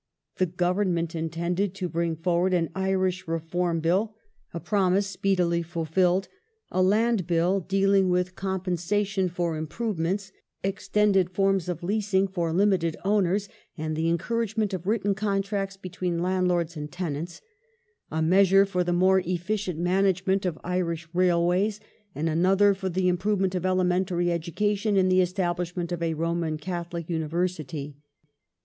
The Government intended to bring forward an Irish Reform Bill (a promise speedily fulfilled) ; a Land Bill, dealing with compensa 1873] GLADSTONE AND THE IRISH CHURCH 379 tion for improvements, extended forms of leasing for limited owner's, and the encouragement of written contracts between landlords and tenants ; a measure for the more efficient management of Irish railways, and another for the improvement of elementary education and the establishment of a Roman Catholic University.